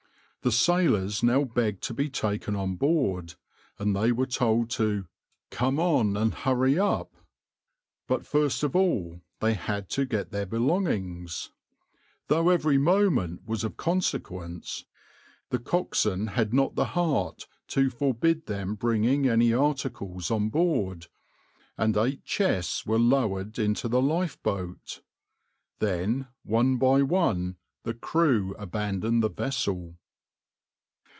The sailors now begged to be taken on board, and they were told to "Come on, and hurry up." But first of all they had to get their belongings. Though every moment was of consequence, the coxswain had not the heart to forbid them bringing any articles on board, and eight chests were lowered into the lifeboat. Then one by one the crew abandoned the vessel.